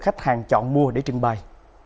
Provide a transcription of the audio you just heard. khách hàng chọn mua để trưng bày